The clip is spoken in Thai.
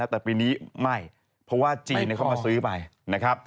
แต่ปีนี้ไม่เพราะว่าจีนเข้ามาซื้อไป